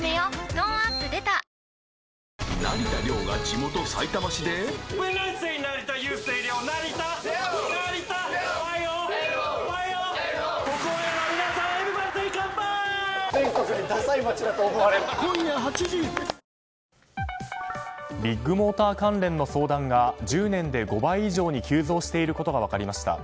トーンアップ出たビッグモーター関連の相談が１０年で５倍以上に急増していることが分かりました。